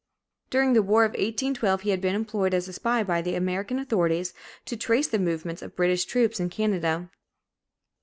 During the war of 1812, he had been employed as a spy by the American authorities to trace the movements of British troops in Canada.